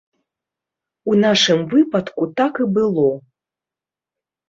У нашым выпадку так і было.